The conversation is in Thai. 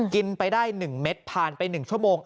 กินไปได้๑เม็ดผ่านไป๑ชั่วโมง